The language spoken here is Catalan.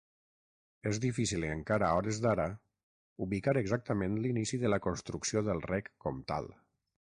És difícil, encara a hores d'ara, ubicar exactament l’inici de la construcció del Rec Comtal.